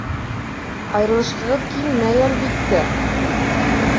Айырылышҡығыҙ килмәй, әлбиттә.